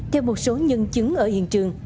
theo một số nhân chứng ở hiện trường